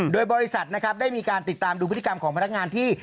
โดยบริษัทนะครับได้มีการติดตามดูพฤติกรรมของพนักงานที่